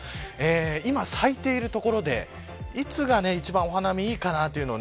今、咲いている所でいつがお花見いいかなというのを